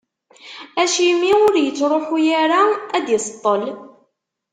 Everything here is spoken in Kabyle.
Acimi ur ittruḥu ara ad d-iṣeṭṭel?